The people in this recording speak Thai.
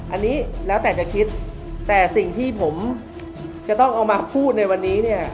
อันนี้แล้วแต่จะคิดแต่สิ่งที่ผมจะต้องเอามาพูดในวันนี้เนี่ย